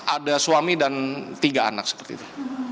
ada suami dan tiga anak seperti itu